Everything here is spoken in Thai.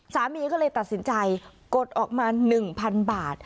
สามีก็เลยตัดสินใจกดออกมา๑๐๐๐บาท